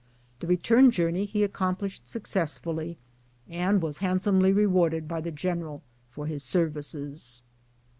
The return journey he accomplished successfully, and was handsomely rewarded by the general for his services.